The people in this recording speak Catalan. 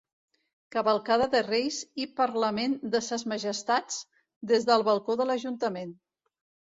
Cavalcada de Reis i parlament de Ses Majestats des del balcó de l'ajuntament.